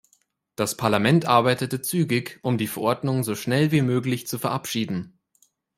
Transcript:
Das Parlament arbeitete zügig, um die Verordnung so schnell wie möglich zu verabschieden.